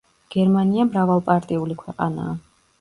გერმანია მრავალპარტიული ქვეყანაა.